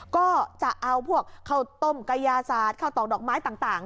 ก็จะเอาพวกเขาตมมัดกายาซาดข้าวตองดอกไม้ต่าง